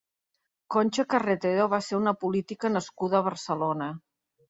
Concha Carretero va ser una política nascuda a Barcelona.